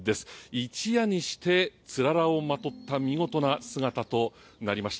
一夜にしてつららをまとった見事な姿となりました。